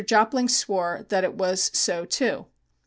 Jopling swore that that was so, too.